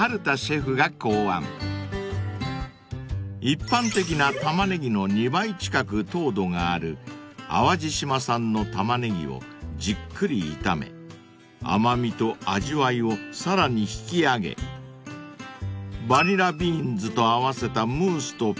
［一般的なタマネギの２倍近く糖度がある淡路島産のタマネギをじっくり炒め甘味と味わいをさらに引き上げバニラビーンズと合わせたムースとピュレに］